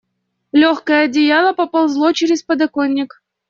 Легкое одеяло поползло через подоконник.